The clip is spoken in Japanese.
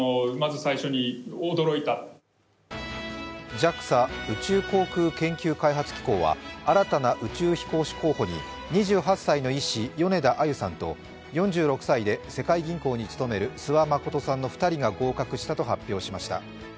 ＪＡＸＡ＝宇宙航空研究開発機構は新たな宇宙飛行士候補に２８歳の医師、米田あゆさんと４６歳で世界銀行に勤める諏訪理さんの２人が合格したと発表しました。